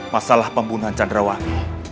masalah pembunuhan candrawami